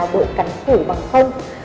đội cắn cửa bằng không